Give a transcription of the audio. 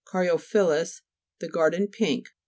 caryo' phyllus, the garden pink.